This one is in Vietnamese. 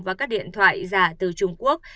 và các điện thoại giả từ trung quốc